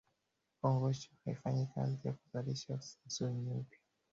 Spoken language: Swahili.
kongosho haifanyi kazi ya kuzalisha insulini mpya